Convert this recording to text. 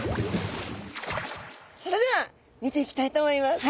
それでは見ていきたいと思います。